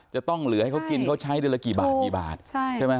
จะต้องเหลือให้เขากินเขาใช้เดือนละกี่บาทกี่บาทใช่ไหม